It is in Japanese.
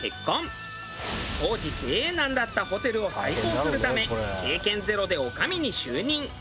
当時経営難だったホテルを再興するため経験ゼロで女将に就任。